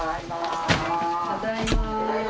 ただいまー！